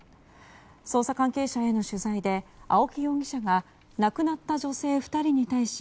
捜査関係者への取材で青木容疑者が亡くなった女性２人に対し